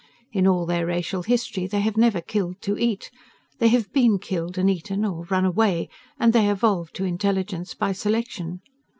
In all their racial history they have never killed to eat. They have been killed and eaten, or run away, and they evolved to intelligence by selection.